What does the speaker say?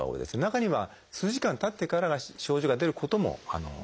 中には数時間たってから症状が出ることもあります。